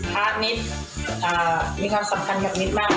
นิดมีความสำคัญกับนิดมาก